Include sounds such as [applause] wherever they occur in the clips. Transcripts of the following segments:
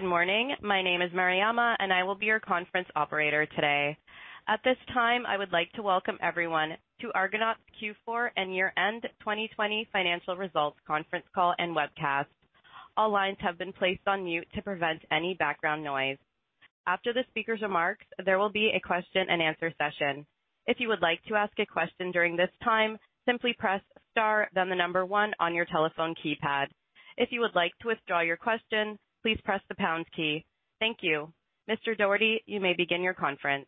Good morning. My name is Mariama, and I will be your conference operator today. At this time, I would like to welcome everyone to Argonaut's Q4 and Year-End 2020 Financial Results Conference Call and Webcast. All lines have been placed on mute to prevent any background noise. After the speaker's remarks, there will be a question and answer session. If you would like to ask a question during this time, simply press star, then the number one on your telephone keypad. If you would like to withdraw your question, please press the pound key. Thank you. Mr. Dougherty, you may begin your conference.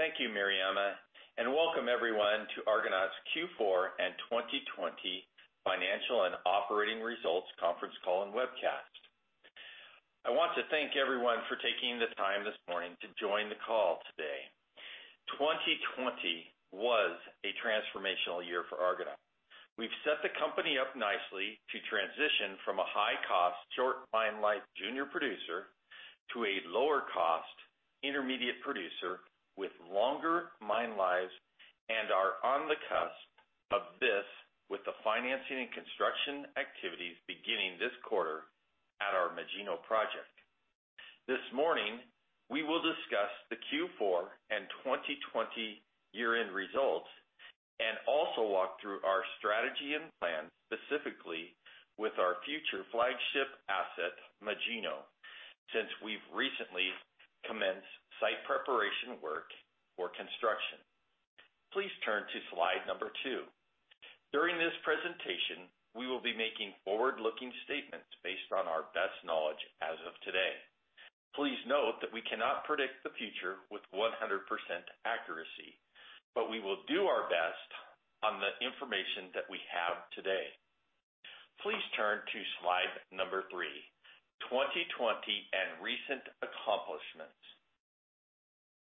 Thank you, Mariama, and welcome everyone to Argonaut's Q4 and 2020 Financial and Operating Results Conference Call and Webcast. I want to thank everyone for taking the time this morning to join the call today. 2020 was a transformational year for Argonaut. We've set the company up nicely to transition from a high-cost, short mine life junior producer to a lower cost intermediate producer with longer mine lives and are on the cusp of this with the financing and construction activities beginning this quarter at our Magino project. This morning, we will discuss the Q4 and 2020 year-end results and also walk through our strategy and plan, specifically with our future flagship asset, Magino, since we've recently commenced site preparation work for construction. Please turn to slide number two. During this presentation, we will be making forward-looking statements based on our best knowledge as of today. Please note that we cannot predict the future with 100% accuracy, but we will do our best on the information that we have today. Please turn to slide number three, 2020 and Recent Accomplishments.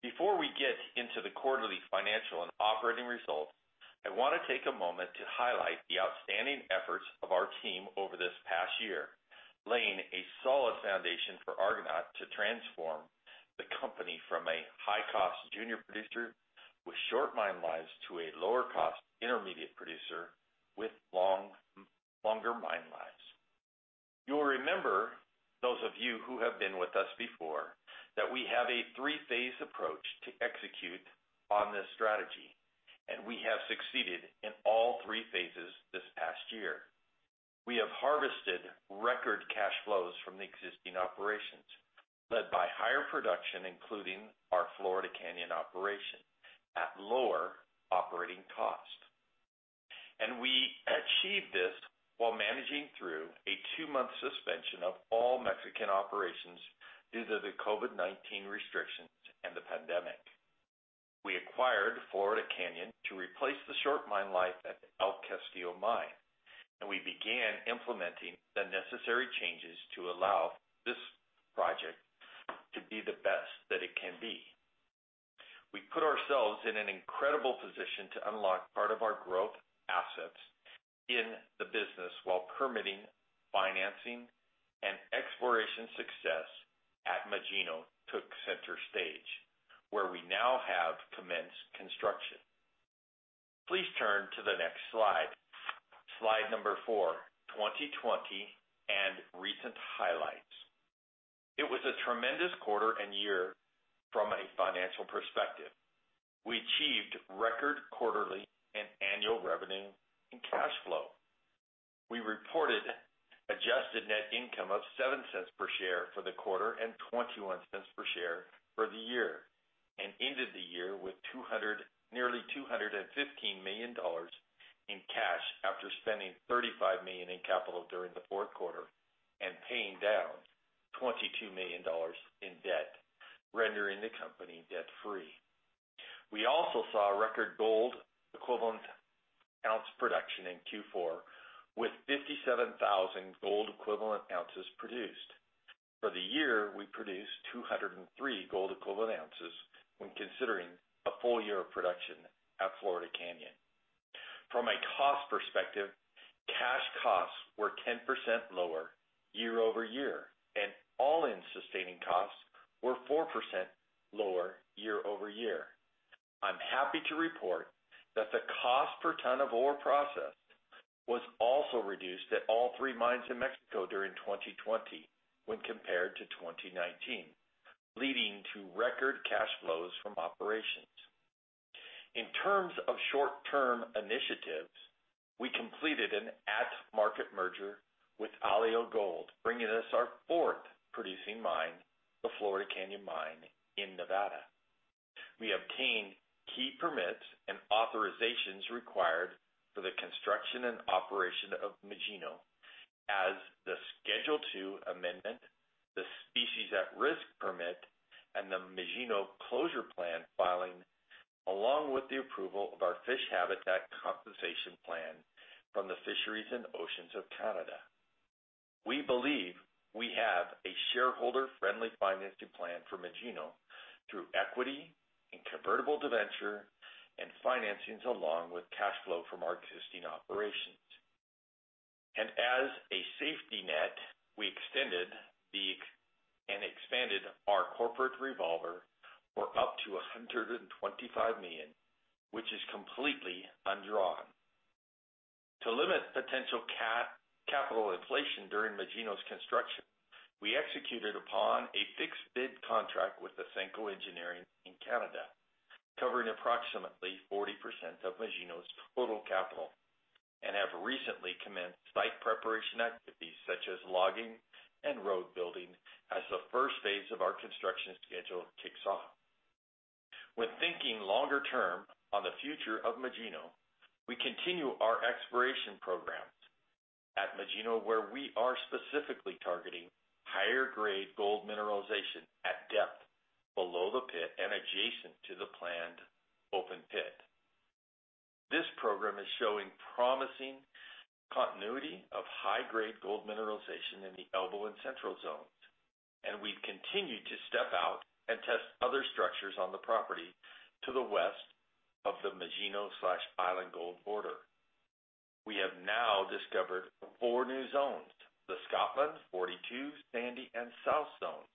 Before we get into the quarterly financial and operating results, I want to take a moment to highlight the outstanding efforts of our team over this past year, laying a solid foundation for Argonaut to transform the company from a high-cost junior producer with short mine lives to a lower cost intermediate producer with longer mine lives. You'll remember, those of you who have been with us before, that we have a three-phase approach to execute on this strategy, and we have succeeded in all three phases this past year. We have harvested record cash flows from the existing operations, led by higher production, including our Florida Canyon operation, at lower operating cost. We achieved this while managing through a two-month suspension of all Mexican operations due to the COVID-19 restrictions and the pandemic. We acquired Florida Canyon to replace the short mine life at El Castillo Mine, and we began implementing the necessary changes to allow this project to be the best that it can be. We put ourselves in an incredible position to unlock part of our growth assets in the business while permitting financing and exploration success at Magino took center stage, where we now have commenced construction. Please turn to the next slide number four, 2020 and Recent Highlights. It was a tremendous quarter and year from a financial perspective. We achieved record quarterly and annual revenue and cash flow. We reported adjusted net income of $0.07 per share for the quarter and $0.21 per share for the year, and ended the year with nearly $215 million in cash after spending $35 million in capital during the fourth quarter and paying down $22 million in debt, rendering the company debt-free. We also saw a record gold equivalent ounce production in Q4 with 57,000 gold equivalent ounces produced. For the year, we produced [203,483] gold equivalent oz when considering a full year of production at Florida Canyon. From a cost perspective, cash costs were 10% lower year-over-year, and all-in sustaining costs were 4% lower year-over-year. I'm happy to report that the cost per tonne of ore processed was also reduced at all three mines in Mexico during 2020 when compared to 2019, leading to record cash flows from operations. In terms of short-term initiatives, we completed an at-market merger with Alio Gold, bringing us our fourth producing mine, the Florida Canyon Mine in Nevada. We obtained key permits and authorizations required for the construction and operation of Magino as the Schedule 2 amendment, the Species at Risk Act permit, and the Magino Closure Plan filing, along with the approval of our Fish Habitat Compensation Plan from Fisheries and Oceans Canada. We believe we have a shareholder-friendly financing plan for Magino through equity and convertible debenture and financings along with cash flow from our existing operations. As a safety net, we extended and expanded our corporate revolver for up to $125 million, which is completely undrawn. To limit potential capital inflation during Magino's construction, we executed upon a fixed bid contract with Ausenco Engineering in Canada, covering approximately 40% of Magino's total capital, and have recently commenced site preparation activities such as logging and road building as the first phase of our construction schedule kicks off. When thinking longer term on the future of Magino, we continue our exploration programs at Magino, where we are specifically targeting higher-grade gold mineralization at depth below the pit and adjacent to the planned open pit. This program is showing promising continuity of high-grade gold mineralization in the Elbow and Central zones, and we've continued to step out and test other structures on the property to the west of the Magino/Island Gold border. We have now discovered four new zones, the Scotland, #42, Sandy, and South zones.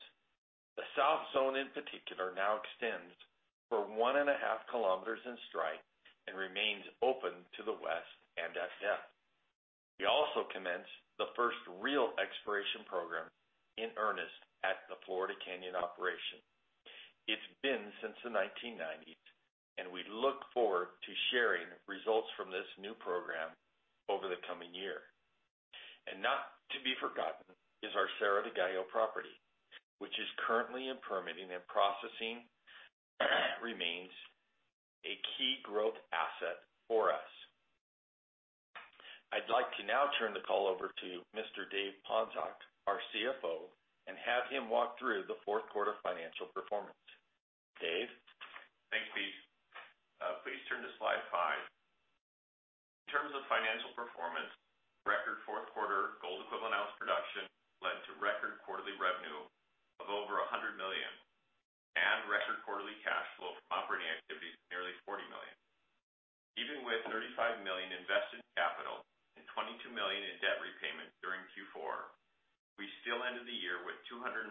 The South Zone in particular now extends for one and a half kilometers in strike and remains open to the west and at depth. We also commenced the first real exploration program in earnest at the Florida Canyon operation. It's been since the 1990s. We look forward to sharing results from this new program over the coming year. Not to be forgotten is our Cerro del Gallo property, which is currently in permitting and processing remains a key growth asset for us. I'd like to now turn the call over to Mr. David Ponczoch, our CFO, and have him walk through the fourth quarter financial performance. Dave? Thanks, Pete. Please turn to slide five. In terms of financial performance, record fourth quarter gold equivalent ounce production led to record quarterly revenue of over $100 million and record quarterly cash flow from operating activities of nearly $40 million. Even with $35 million invested in capital and $22 million in debt repayment during Q4, we still ended the year with $214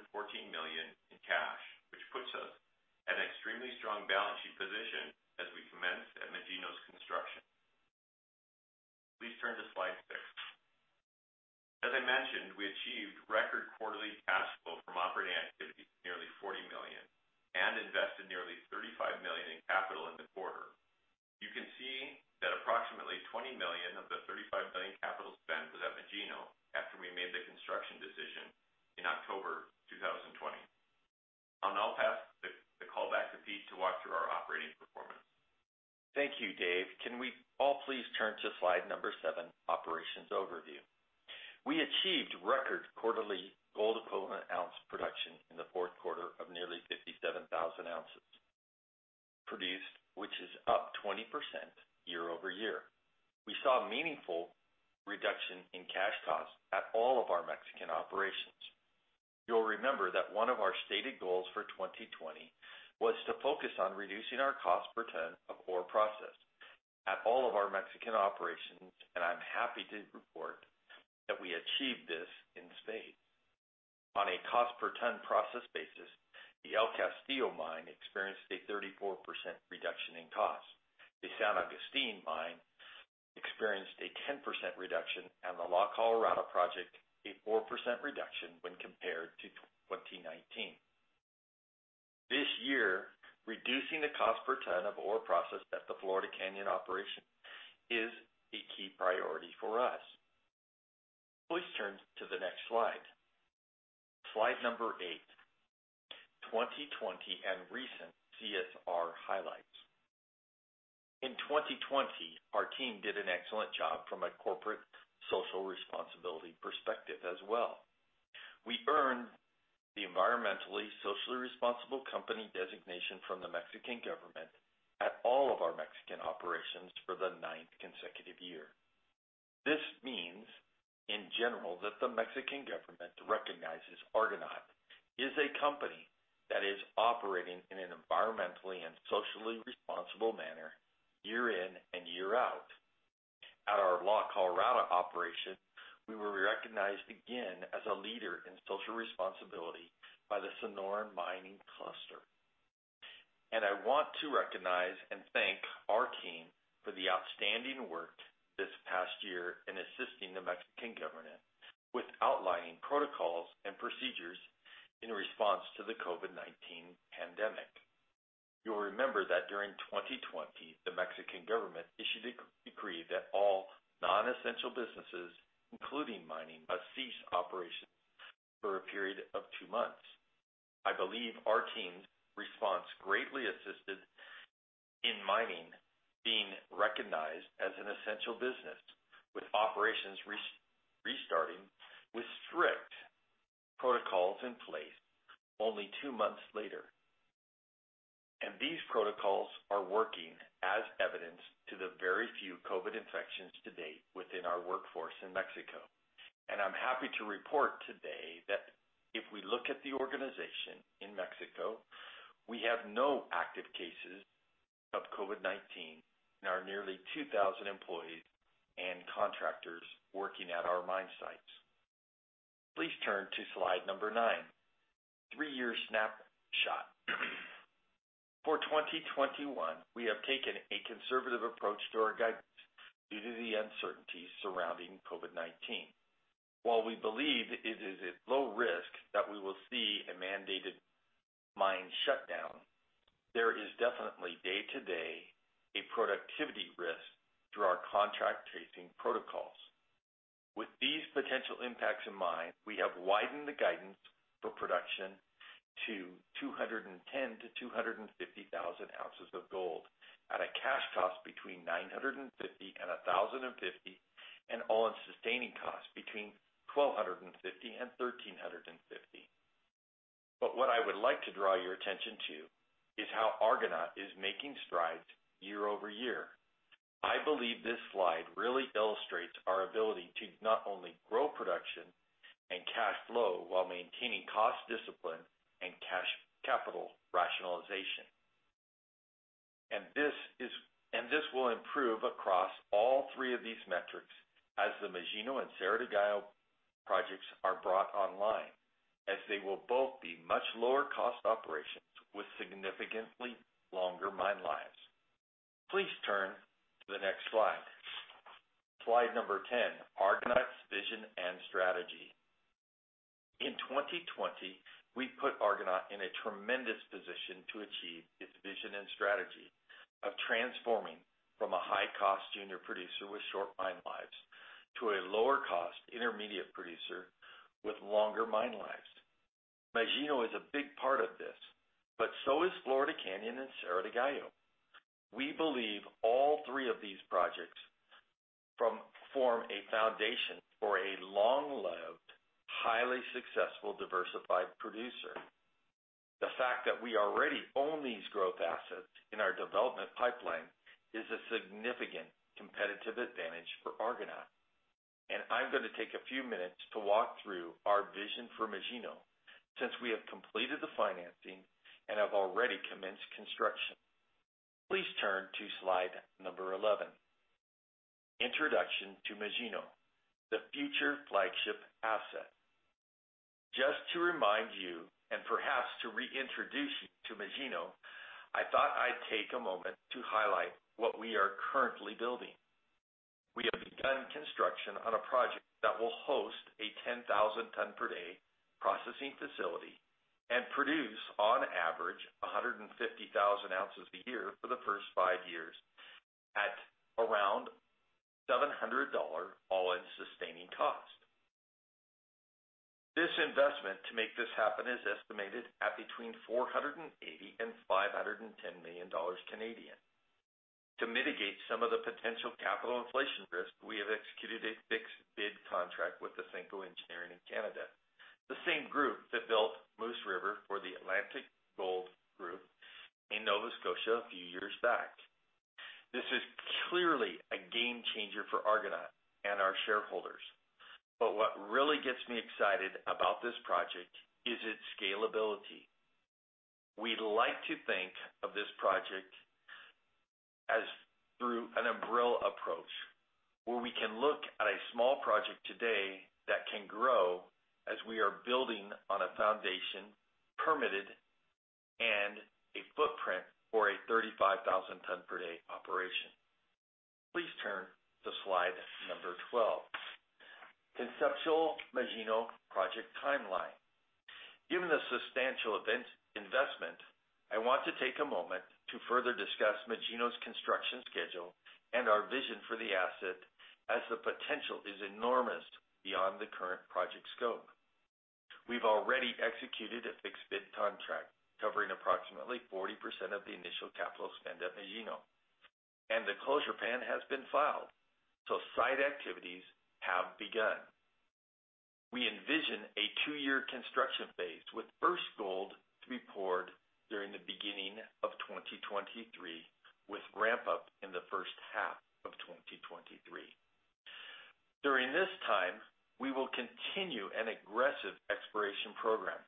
million in cash, which puts us at an extremely strong balance sheet position as we commence at Magino's construction. Please turn to slide six. As I mentioned, we achieved record quarterly cash flow from operating activities of nearly $40 million and invested nearly$35 million in capital in the quarter. You can see that approximately $20 million of the $35 million capital spend was at Magino after we made the construction decision in October 2020. I'll now pass the call back to Pete to walk through our operating performance. Thank you, Dave. Can we all please turn to slide number seven, Operations Overview. We achieved record quarterly gold equivalent ounce production in the fourth quarter of nearly 57,000 oz produced, which is up 20% year-over-year. We saw a meaningful reduction in cash costs at all of our Mexican operations. You'll remember that one of our stated goals for 2020 was to focus on reducing our cost per tonne of ore processed at all of our Mexican operations, and I'm happy to report that we achieved this in spades. On a cost per tonne processed basis, the El Castillo Mine experienced a 34% reduction in cost. The San Agustin Mine experienced a 10% reduction and the La Colorada project, a 4% reduction when compared to 2019. This year, reducing the cost per tonne of ore processed at the Florida Canyon operation is a key priority for us. Please turn to the next slide. Slide number eight, 2020 and Recent CSR Highlights. In 2020, our team did an excellent job from a corporate social responsibility perspective as well. We earned the Environmentally and Socially Responsible Company designation from the Mexican government at all of our Mexican operations for the 9th consecutive year. This means, in general, that the Mexican government recognizes Argonaut is a company that is operating in an environmentally and socially responsible manner year in and year out. At our La Colorada operation, we were recognized again as a leader in social responsibility by the Sonoran Mining Cluster. I want to recognize and thank our team for the outstanding work this past year in assisting the Mexican government with outlining protocols and procedures in response to the COVID-19 pandemic. You'll remember that during 2020, the Mexican government issued a decree that all non-essential businesses, including mining, must cease operations for a period of two months. I believe our team's response greatly assisted in mining being recognized as an essential business, with operations restarting with strict protocols in place only two months later. These protocols are working, as evidenced to the very few COVID-19 infections to date within our workforce in Mexico. I'm happy to report today that if we look at the organization in Mexico, we have no active cases of COVID-19 in our nearly 2,000 employees and contractors working at our mine sites. Please turn to slide number nine. Three-year snapshot. For 2021, we have taken a conservative approach to our guidance due to the uncertainties surrounding COVID-19. While we believe it is at low risk that we will see a mandated mine shutdown, there is definitely day-to-day a productivity risk through our contact tracing protocols. With these potential impacts in mind, we have widened the guidance for production to 210,000-250,000 oz of gold at a cash cost between $950 and $1,050, and all-in sustaining costs between $1,250 and $1,350. What I would like to draw your attention to is how Argonaut is making strides year-over-year. I believe this slide really illustrates our ability to not only grow production and cash flow while maintaining cost discipline and capital rationalization. This will improve across all three of these metrics as the Magino and Cerro del Gallo projects are brought online, as they will both be much lower cost operations with significantly longer mine lives. Please turn to the next slide. Slide number 10, Argonaut's vision and strategy. In 2020, we put Argonaut in a tremendous position to achieve its vision and strategy of transforming from a high-cost junior producer with short mine lives to a lower-cost intermediate producer with longer mine lives. Magino is a big part of this, but so is Florida Canyon and Cerro del Gallo. We believe all three of these projects form a foundation for a long-lived, highly successful, diversified producer. The fact that we already own these growth assets in our development pipeline is a significant competitive advantage for Argonaut. I'm going to take a few minutes to walk through our vision for Magino, since we have completed the financing and have already commenced construction. Please turn to slide number 11, introduction to Magino, the future flagship asset. Just to remind you, and perhaps to reintroduce you to Magino, I thought I'd take a moment to highlight what we are currently building. We have begun construction on a project that will host a 10,000 tonne per day processing facility and produce, on average, 150,000 oz a year for the first five years at around $700 all-in sustaining cost. This investment to make this happen is estimated at between 480 million and 510 million Canadian dollars. To mitigate some of the potential capital inflation risk, we have executed a fixed bid contract with Ausenco Engineering in Canada, the same group that built Moose River for Atlantic Gold Group in Nova Scotia a few years back. This is clearly a game changer for Argonaut and our shareholders. What really gets me excited about this project is its scalability. We like to think of this project as through an umbrella approach, where we can look at a small project today that can grow as we are building on a foundation permitted and a footprint for a 35,000 tonne per day operation. Please turn to slide number 12, conceptual Magino project timeline. Given the substantial investment, I want to take a moment to further discuss Magino's construction schedule and our vision for the asset as the potential is enormous beyond the current project scope. We've already executed a fixed bid contract covering approximately 40% of the initial capital spend at Magino, and the closure plan has been filed, so site activities have begun. We envision a two-year construction phase, with first gold to be poured during the beginning of 2023, with ramp up in the first half of 2023. During this time, we will continue an aggressive exploration program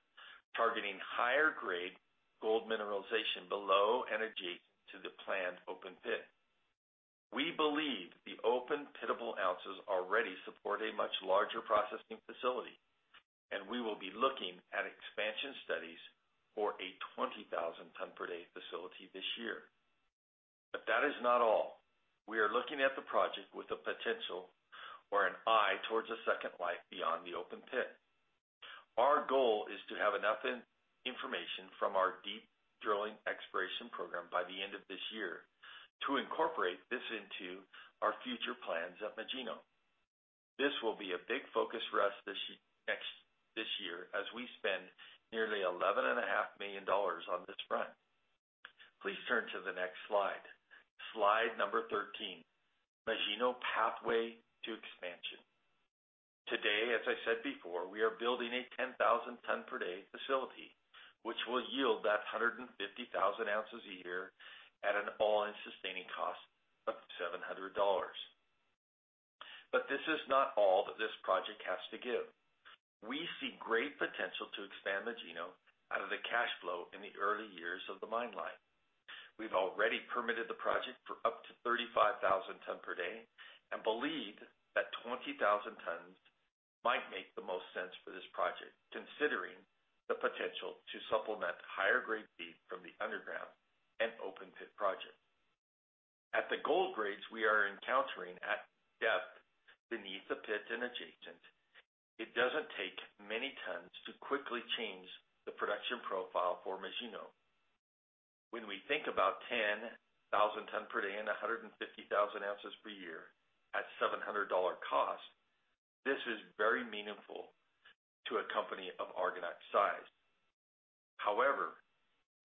targeting higher-grade gold mineralization below [audio distortion] the planned open pit. We believe the open-pitable ounces already support a much larger processing facility. We will be looking at expansion studies for a 20,000 tonne per day facility this year. That is not all. We are looking at the project with a potential or an eye towards a second life beyond the open pit. Our goal is to have enough information from our deep drilling exploration program by the end of this year to incorporate this into our future plans at Magino. This will be a big focus for us this year as we spend nearly [11.5 million dollars] on this front. Please turn to the next slide. Slide number 13, Magino pathway to expansion. Today, as I said before, we are building a 10,000 tonne per day facility, which will yield that 150,000 oz a year at an all-in sustaining cost of $700. This is not all that this project has to give. We see great potential to expand Magino out of the cash flow in the early years of the mine life. We've already permitted the project for up to 35,000 tonne per day and believe that 20,000 tonnes might make the most sense for this project, considering the potential to supplement higher-grade feed from the underground and open pit project. At the gold grades we are encountering at depth beneath the pits and adjacent, it doesn't take many tonnes to quickly change the production profile for Magino. When we think about 10,000 tonne per day and 150,000 oz per year at $700 cost, this is very meaningful to a company of Argonaut's size. However,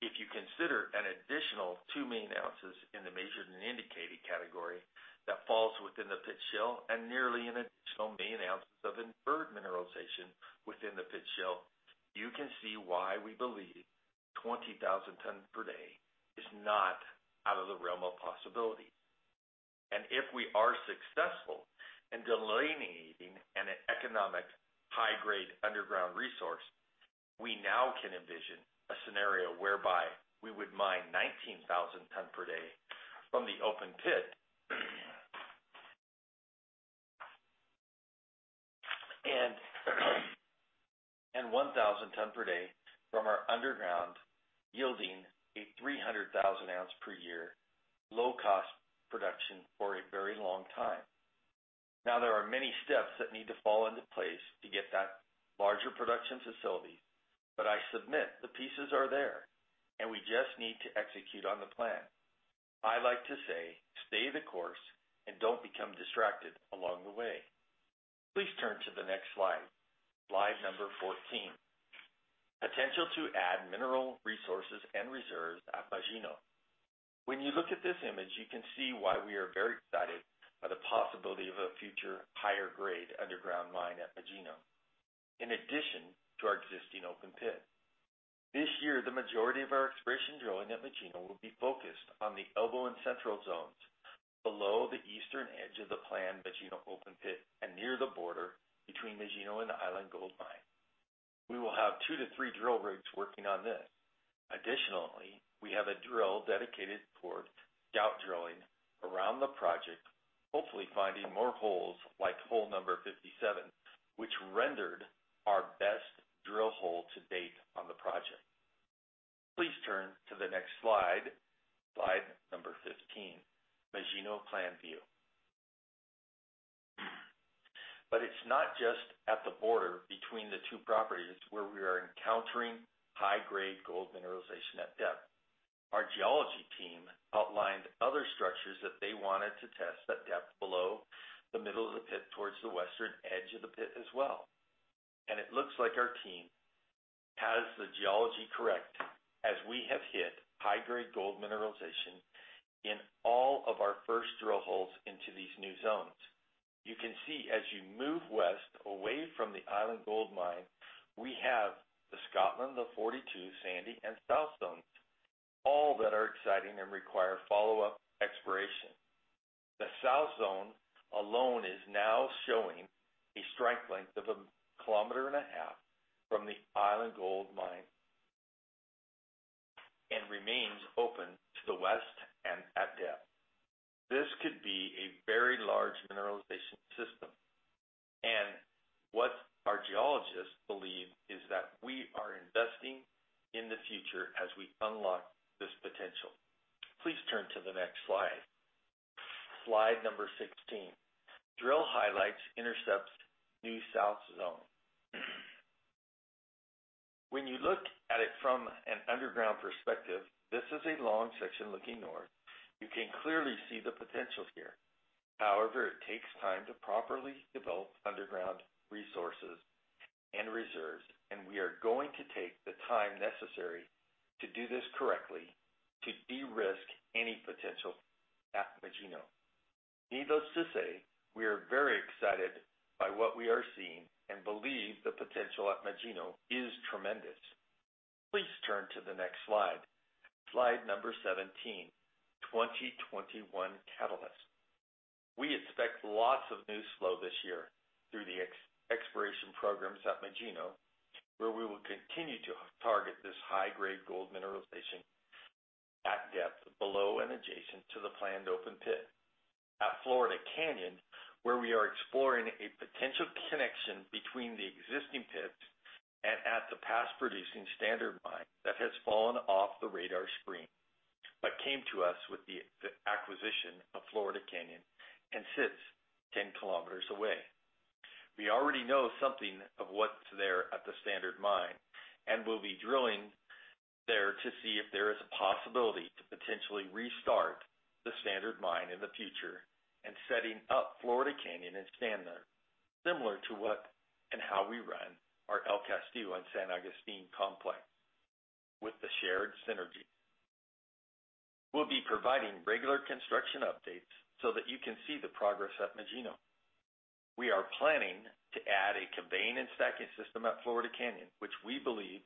if you consider an additional 2 million oz in the measured and indicated category that falls within the pit shell and nearly an additional million ounces of inferred mineralization within the pit shell, you can see why we believe 20,000 tonnes per day is not out of the realm of possibility. If we are successful in delineating an economic high-grade underground resource, we now can envision a scenario whereby we would mine 19,000 tonne per day from the open pit and 1,000 tonne per day from our underground, yielding a 300,000 oz per year low-cost production for a very long time. Now, there are many steps that need to fall into place to get that larger production facility, but I submit the pieces are there, and we just need to execute on the plan. I like to say stay the course and don't become distracted along the way. Please turn to the next slide number 14. Potential to add mineral resources and reserves at Magino. When you look at this image, you can see why we are very excited by the possibility of a future higher-grade underground mine at Magino in addition to our existing open pit. This year, the majority of our exploration drilling at Magino will be focused on the Elbow and Central Zones below the eastern edge of the planned Magino open pit and near the border between Magino and the Island Gold Mine. We will have two to three drill rigs working on this. Additionally, we have a drill dedicated toward scout drilling around the project, hopefully finding more holes like hole number 57, which rendered our best drill hole to date on the project. Please turn to the next slide number 15. Magino plan view. It's not just at the border between the two properties where we are encountering high-grade gold mineralization at depth. Our geology team outlined other structures that they wanted to test at depth below the middle of the pit towards the western edge of the pit as well. It looks like our team has the geology correct, as we have hit high-grade gold mineralization in all of our first drill holes into these new zones. You can see as you move west away from the Island Gold Mine, we have the Scotland, the #42, Sandy, and South Zones, all that are exciting and require follow-up exploration. The South Zone alone is now showing a strike length of a kilometer and a half from the Island Gold Mine and remains open to the west and at depth. This could be a very large [mineralization] system. What our geologists believe is that we are investing in the future as we unlock this potential. Please turn to the next slide number 16. Drill highlights intercepts new South Zone. When you look at it from an underground perspective, this is a long section looking north. You can clearly see the potential here. However, it takes time to properly develop underground resources and reserves, and we are going to take the time necessary to do this correctly to de-risk any potential at Magino. Needless to say, we are very excited by what we are seeing and believe the potential at Magino is tremendous. Please turn to the next slide, number 17. 2021 catalyst. We expect lots of news flow this year through the exploration programs at Magino, where we will continue to target this high-grade gold mineralization at depth below and adjacent to the planned open pit. At Florida Canyon, where we are exploring a potential connection between the existing pits and at the past-producing Standard Mine that has fallen off the radar screen but came to us with the acquisition of Florida Canyon and sits 10 km away. We already know something of what's there at the Standard Mine, and we'll be drilling there to see if there is a possibility to potentially restart the Standard Mine in the future and setting up Florida Canyon and Standard, similar to what and how we run our El Castillo and San Agustin complex with the shared synergy. We'll be providing regular construction updates so that you can see the progress at Magino. We are planning to add a conveying and stacking system at Florida Canyon, which we believe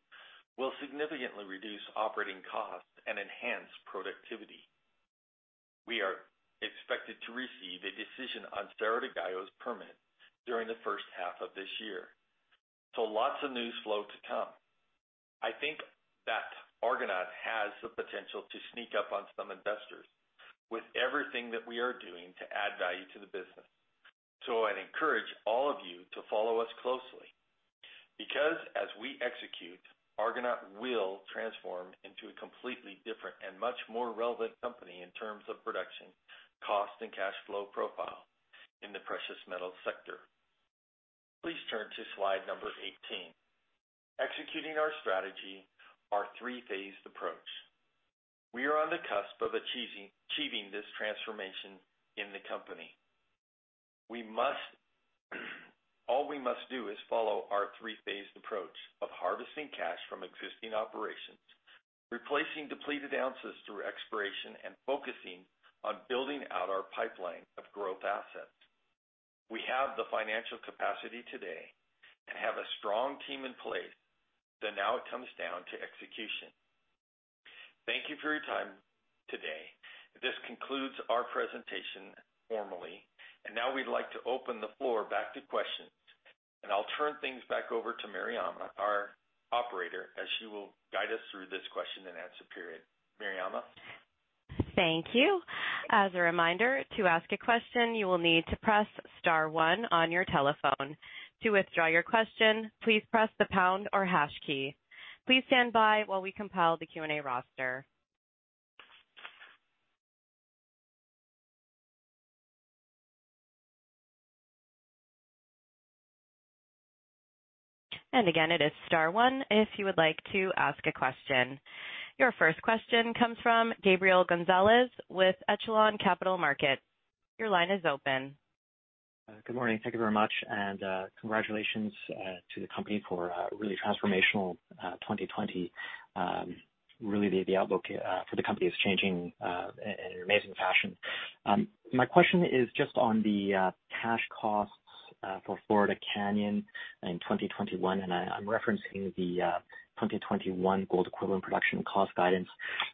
will significantly reduce operating costs and enhance productivity. We are expected to receive a decision on Cerro del Gallo's permit during the first half of this year. Lots of news flow to come. I think that Argonaut has the potential to sneak up on some investors with everything that we are doing to add value to the business. I'd encourage all of you to follow us closely, because as we execute, Argonaut will transform into a completely different and much more relevant company in terms of production, cost, and cash flow profile in the precious metal sector. Please turn to slide number 18, executing our strategy, our three-phased approach. We are on the cusp of achieving this transformation in the company. All we must do is follow our three-phased approach of harvesting cash from existing operations, replacing depleted ounces through exploration, and focusing on building out our pipeline of growth assets. We have the financial capacity today and have a strong team in place. Now it comes down to execution. Thank you for your time today. This concludes our presentation formally. Now we'd like to open the floor back to questions. I'll turn things back over to Mariama, our operator, as she will guide us through this question and answer period. Mariama? Thank you. As a reminder, to ask a question, you will need to press star one on your telephone. To withdraw your question, please press the pound or hash key. Please stand by while we compile the Q&A roster. Again, it is star one if you would like to ask a question. Your first question comes from Gabriel Gonzalez with Echelon Capital Markets. Your line is open. Good morning. Thank you very much. Congratulations to the company for a really transformational 2020. Really, the outlook for the company is changing in an amazing fashion. My question is just on the cash costs for Florida Canyon in 2021. I'm referencing the 2021 gold equivalent production cost guidance.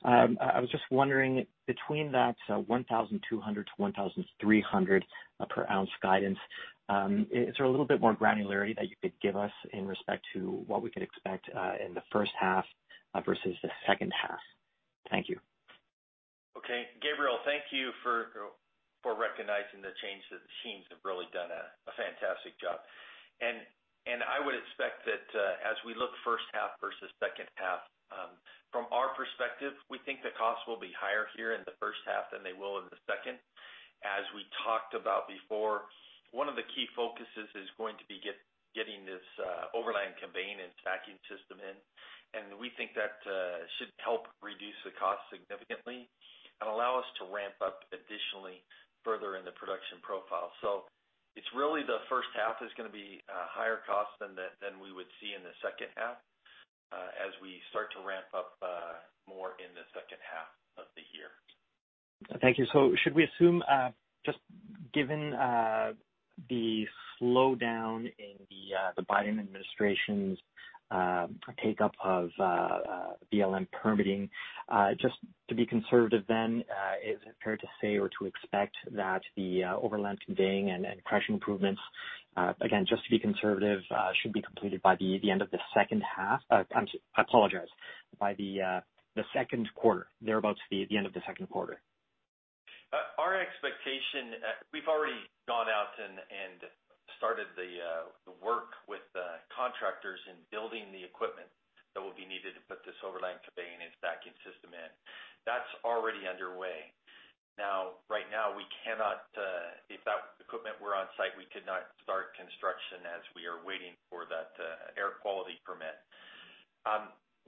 I was just wondering, between that $1,200-$1,300 per oz guidance, is there a little bit more granularity that you could give us in respect to what we could expect in the first half versus the second half? Thank you. Okay. Gabriel, thank you for recognizing the change. The teams have really done a fantastic job. I would expect that as we look first half versus second half, from our perspective, we think the costs will be higher here in the first half than they will in the second. As we talked about before, one of the key focuses is going to be getting this overland conveying and stacking system in, and we think that should help reduce the cost significantly and allow us to ramp up additionally further in the production profile. It's really the first half is going to be higher cost than we would see in the second half, as we start to ramp up more in the second half of the year. Thank you. Should we assume, just given the slowdown in the Biden administration's take-up of BLM permitting, just to be conservative then, is it fair to say or to expect that the overland conveying and crushing improvements, again, just to be conservative, should be completed by the end of the second quarter, thereabouts, the end of the second quarter? Our expectation, we've already gone out and started the work with the contractors in building the equipment that will be needed to put this overland conveying and stacking system in. That's already underway. Right now, if that equipment were on site, we could not start construction as we are waiting for that air quality permit.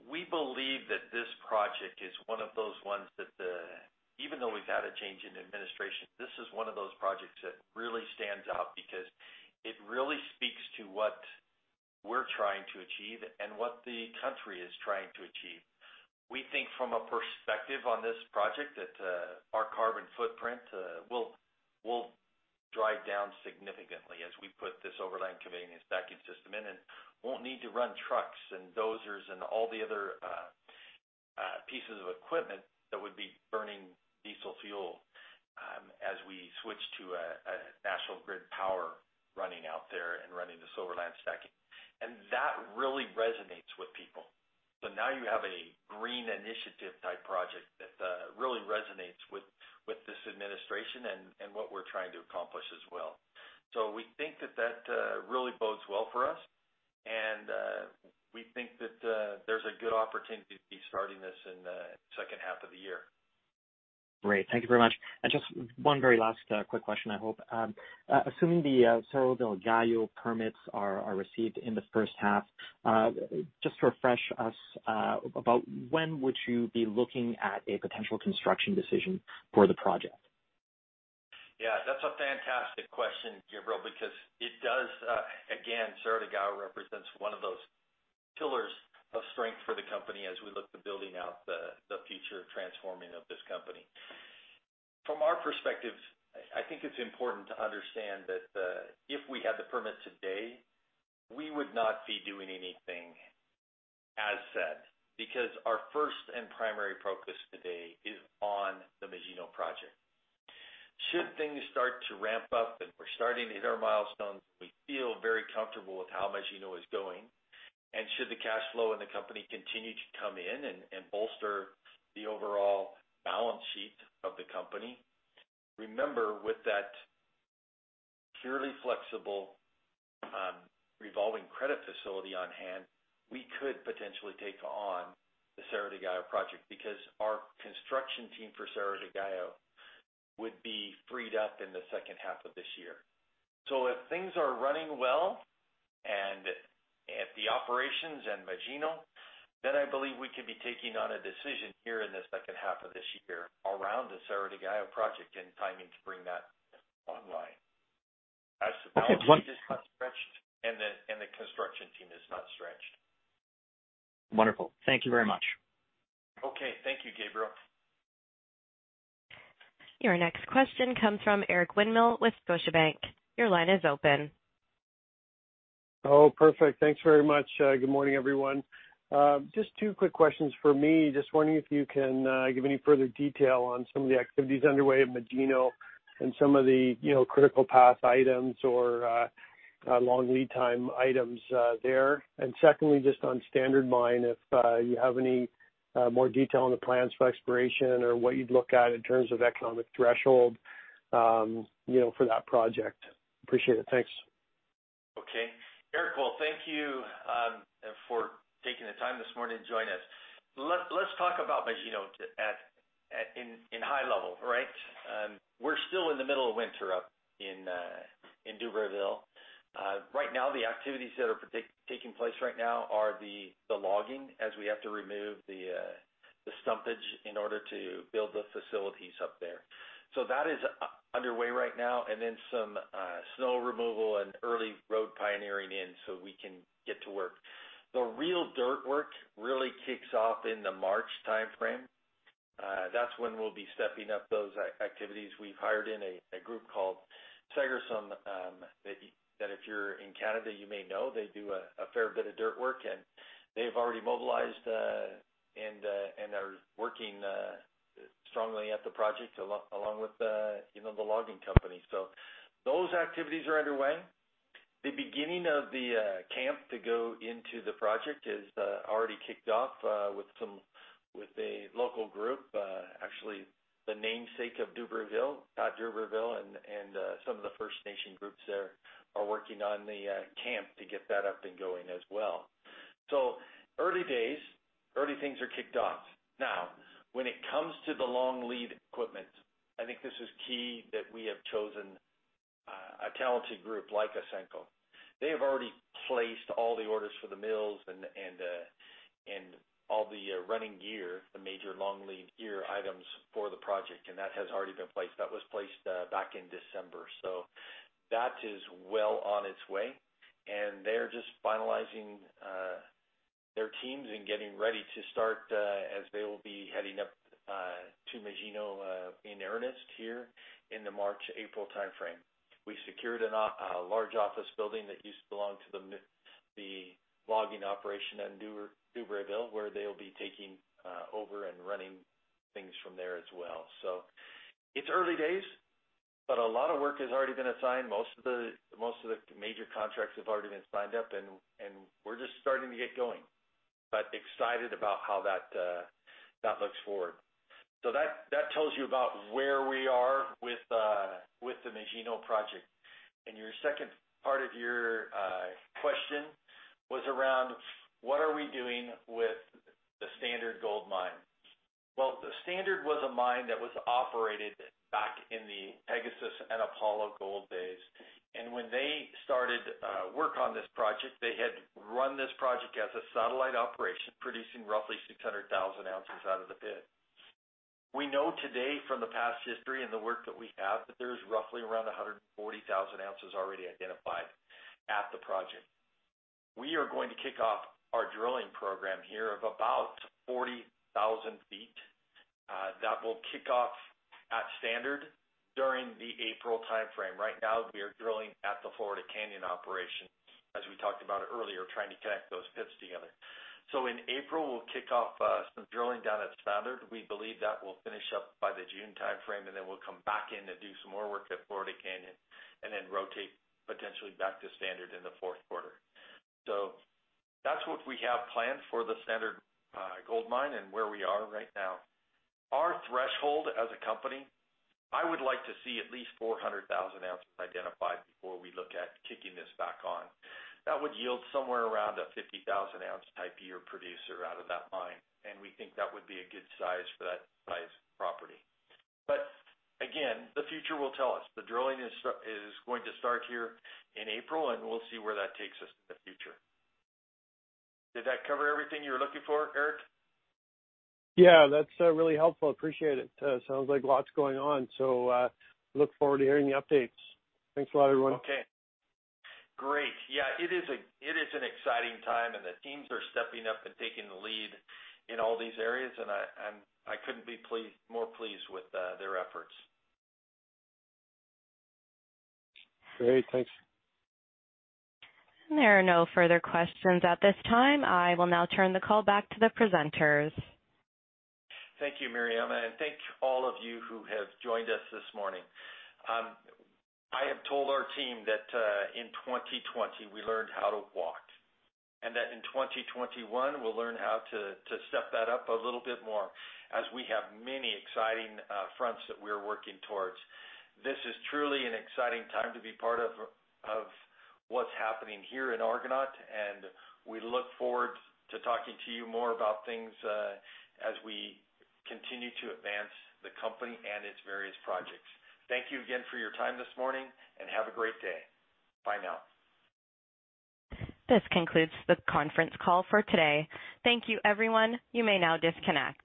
We believe that this project is one of those ones that even though we've had a change in administration, this is one of those projects that really stands out because it really speaks to what we're trying to achieve and what the country is trying to achieve. We think from a perspective on this project that our carbon footprint will drive down significantly as we put this overland conveying and stacking system in and won't need to run trucks and dozers and all the other pieces of equipment that would be burning diesel fuel as we switch to a national grid power running out there and running this overland stacking. That really resonates with people. Now you have a green initiative type project that really resonates with this administration and what we're trying to accomplish as well. We think that that really bodes well for us, and we think that there's a good opportunity to be starting this in the second half of the year. Great. Thank you very much. Just one very last quick question, I hope. Assuming the Cerro del Gallo permits are received in the first half, just to refresh us, about when would you be looking at a potential construction decision for the project? Yeah, that's a fantastic question, Gabriel, because it does, again, Cerro del Gallo represents one of those pillars of strength for the company as we look to building out the future transforming of this company. From our perspective, I think it's important to understand that if we had the permit today, we would not be doing anything, as said. Because our first and primary focus today is on the Magino project. Should things start to ramp up and we're starting to hit our milestones, we feel very comfortable with how Magino is going, and should the cash flow in the company continue to come in and bolster the overall balance sheet of the company, remember, with that purely flexible revolving credit facility on hand, we could potentially take on the Cerro del Gallo project because our construction team for Cerro del Gallo would be freed up in the second half of this year. If things are running well, at the operations and Magino, I believe we could be taking on a decision here in the second half of this year around the Cerro del Gallo project and timing to bring that online. As the balance sheet is not stretched and the construction team is not stretched. Wonderful. Thank you very much. Okay. Thank you, Gabriel. Your next question comes from Eric Winmill with Scotiabank. Your line is open. Oh, perfect. Thanks very much. Good morning, everyone. Just two quick questions from me. Just wondering if you can give any further detail on some of the activities underway at Magino and some of the critical path items or long lead time items there. Secondly, just on Standard Mine, if you have any more detail on the plans for exploration or what you'd look at in terms of economic threshold for that project. Appreciate it. Thanks. Okay. Eric, well, thank you for taking the time this morning to join us. Let's talk about Magino in high level, right? We're still in the middle of winter up in Dubreuilville. Right now, the activities that are taking place right now are the logging, as we have to remove the stumpage in order to build the facilities up there. That is underway right now, some snow removal and early road pioneering in so we can get to work. The real dirt work really kicks off in the March timeframe. That's when we'll be stepping up those activities. We've hired in a group called [Sigfusson], that if you're in Canada, you may know. They do a fair bit of dirt work, and they've already mobilized and are working strongly at the project along with the logging company. Those activities are underway. The beginning of the camp to go into the project is already kicked off with a local group. Actually, the namesake of Dubreuilville, [Pat Dubreuil], and some of the First Nation groups there are working on the camp to get that up and going as well. Early days, early things are kicked off. Now, when it comes to the long lead equipment, I think this is key that we have chosen a talented group like Ausenco. They have already placed all the orders for the mills and all the running gear, the major long lead gear items for the project, and that has already been placed. That was placed back in December. That is well on its way, and they're just finalizing their teams and getting ready to start as they will be heading up to Magino in earnest here in the March, April timeframe. We secured a large office building that used to belong to the logging operation in Dubreuilville, where they'll be taking over and running things from there as well. It's early days, but a lot of work has already been assigned. Most of the major contracts have already been signed up, and we're just starting to get going. Excited about how that looks forward. That tells you about where we are with the Magino project. Your second part of your question was around what are we doing with the Island Gold Mine? Island was a mine that was operated back in the Pegasus and Apollo Gold days. When they started work on this project, they had run this project as a satellite operation, producing roughly 600,000 oz out of the pit. We know today from the past history and the work that we have, that there's roughly around 140,000 oz already identified at the project. We are going to kick off our drilling program here of about 40,000 ft. That will kick off at Standard during the April timeframe. Right now, we are drilling at the Florida Canyon operation, as we talked about earlier, trying to connect those pits together. In April, we'll kick off some drilling down at Standard. We believe that will finish up by the June timeframe, and then we'll come back in and do some more work at Florida Canyon, and then rotate potentially back to Standard in the fourth quarter. That's what we have planned for the Standard Gold Mine and where we are right now. Our threshold as a company, I would like to see at least 400,000 oz identified before we look at kicking this back on. That would yield somewhere around a 50,000-oz type year producer out of that mine, and we think that would be a good size for that size property. Again, the future will tell us. The drilling is going to start here in April, and we'll see where that takes us in the future. Did that cover everything you were looking for, Eric? Yeah, that's really helpful. Appreciate it. Sounds like lots going on. Look forward to hearing the updates. Thanks a lot, everyone. Okay. Great. Yeah, it is an exciting time, and the teams are stepping up and taking the lead in all these areas, and I couldn't be more pleased with their efforts. Great. Thanks. There are no further questions at this time. I will now turn the call back to the presenters. Thank you, Mariama, and thank all of you who have joined us this morning. I have told our team that in 2020, we learned how to walk, and that in 2021, we'll learn how to step that up a little bit more as we have many exciting fronts that we're working towards. This is truly an exciting time to be part of what's happening here in Argonaut, and we look forward to talking to you more about things as we continue to advance the company and its various projects. Thank you again for your time this morning, and have a great day. Bye now. This concludes the conference call for today. Thank you, everyone. You may now disconnect.